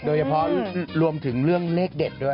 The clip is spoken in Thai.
โดยเฉพาะรวมถึงเรื่องเลขเด็ดด้วย